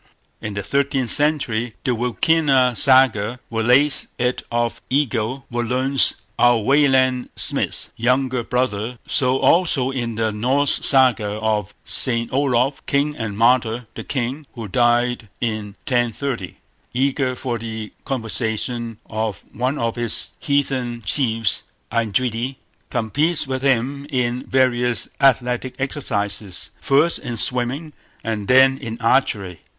In the thirteenth century the Wilkina Saga relates it of Egill, Völundr's—our Wayland Smith's—younger brother. So also in the Norse Saga of Saint Olof, king and martyr; the king, who died in 1030, eager for the conversion of one of his heathen chiefs Eindridi, competes with him in various athletic exercises, first in swimming and then in archery.